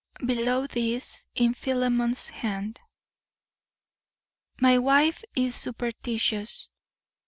Below this in Philemon's hand: My wife is superstitious.